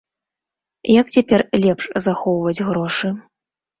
Як цяпер лепш захоўваць грошы?